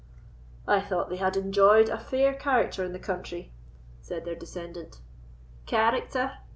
"I thought they had enjoyed a fair character in the country," said their descendant. "Character!